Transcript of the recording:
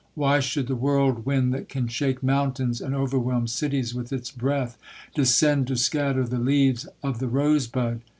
Why should the whirlwind, that can shake mountains, and overwhelm cities with its breath, descend to scatter the leaves of the rose bud?'